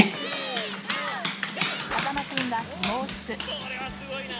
これはすごいな！